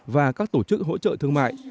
và các tổ chức hỗ trợ thương mại